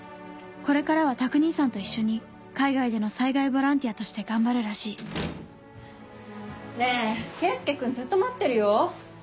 これからは拓兄さんと一緒に海外での災害ボランティアとして頑張るらしいねぇ圭介君ずっと待ってるよ？